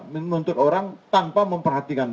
menuntut orang tanpa memperhatikan